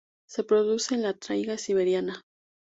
Se reproduce en la taiga siberiana.